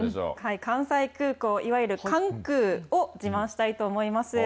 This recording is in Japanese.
関西空港、いわゆる関空を自慢したいと思います。